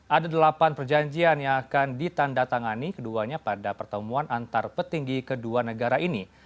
ada delapan perjanjian yang akan ditanda tangani keduanya pada pertemuan antar petinggi kedua negara ini